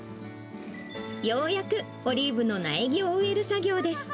ようやくオリーブの苗木を植える作業です。